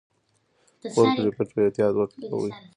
فورک لیفټ په احتیاط وکاروئ.